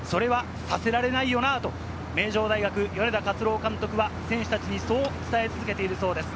それはさせられないよなと名城大学・米田勝朗監督は選手たちにそう伝え続けているそうです。